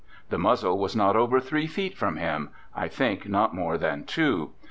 The muzzle was not over three feet from him — I think not more than two.